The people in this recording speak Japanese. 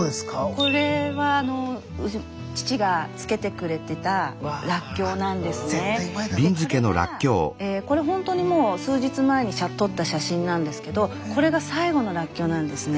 これがこれほんとにもう数日前に撮った写真なんですけどこれが最後のらっきょうなんですね。